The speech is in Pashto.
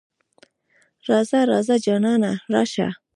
راځه ـ راځه جانانه راشه.